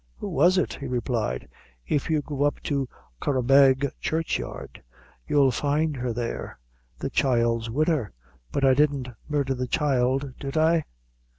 "Who was it?" he replied; "if you go up to Curraghbeg churchyard, you'll find her there; the child's wid her but I didn't murdher the child, did I?"